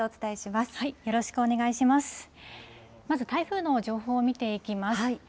まず台風の情報を見ていきます。